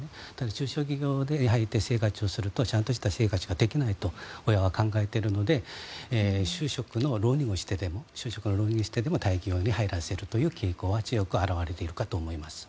中小企業に就職するとちゃんとした生活をできないと親は考えているので就職の浪人をしてでも大企業に入らせるという傾向は強く表れているかと思います。